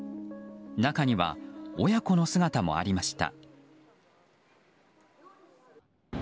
中には親子の姿もありました。